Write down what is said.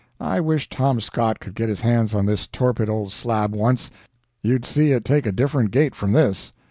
I wish Tom Scott could get his hands on this torpid old slab once you'd see it take a different gait from this."